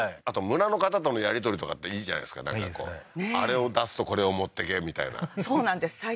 あと村の方とのやり取りとかっていいじゃないですかなんかこうあれを出すとこれを持ってけみたいなそうなんです